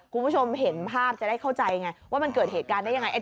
คุณผู้ชมเห็นภาพจะได้เข้าใจไงว่ามันเกิดเหตุการณ์ได้ยังไง